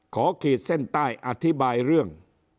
ขีดเส้นใต้อธิบายเรื่อง